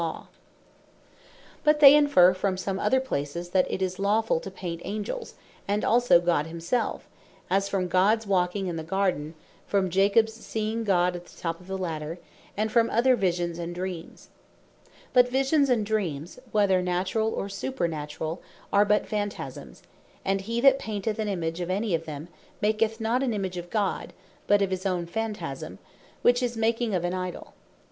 Painting Of Fancies No Idolatry: Abusing Them To Religious Worship Is But they inferre from some other places, that it is lawfull to paint Angels, and also God himselfe: as from Gods walking in the Garden; from Jacobs seeing God at the top of the ladder; and from other Visions, and Dreams. But Visions, and Dreams whether naturall, or supernaturall, are but Phantasmes: and he that painteth an Image of any of them, maketh not an Image of God, but of his own Phantasm, which is, making of an Idol.